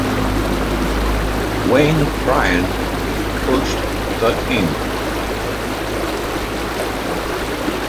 Wayne Bryan coached the team.